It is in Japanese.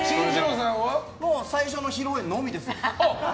最初の披露宴のみです。